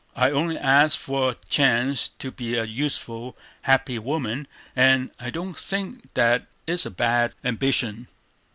I only ask for a chance to be a useful, happy woman, and I don't think that is a bad ambition.